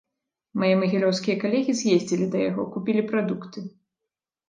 Мае магілёўскія калегі з'ездзілі да яго, купілі прадукты.